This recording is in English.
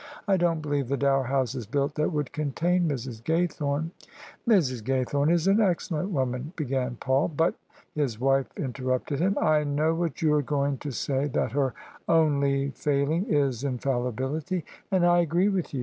I don't believe the Dower House is built that would contain Mrs. Gaythome." " Mrs. Ga3rthome is an excellent woman," began Paul ;" but " His wife interrupted him. " I know what you are going to say — that her only failing is infallibility, and I agree with you.